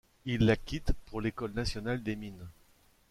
Il la quitte pour l’École nationale des Mines.